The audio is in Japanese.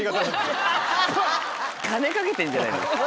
金賭けてんじゃないの？